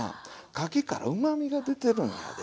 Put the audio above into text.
かきからうまみが出てるんやで。